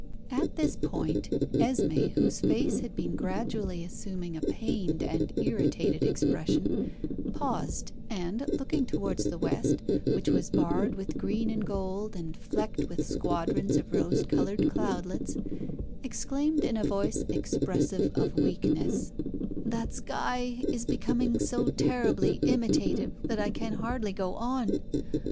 At this point, Esmé, whose face had been gradually assuming a pained and irritated expression, paused, and looking towards the West, which was barred with green and gold, and flecked with squadrons of rose coloured cloudlets, exclaimed in a voice expressive of weakness "That sky is becoming so terribly imitative that I can hardly go on.